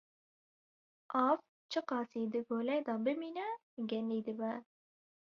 Av çi qasî di golê de bimîne, genî dibe.